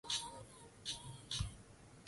kwa kujumuisha wote na ukuaji stahimilivu